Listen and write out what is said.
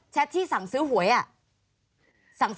ที่สั่งซื้อหวยอ่ะ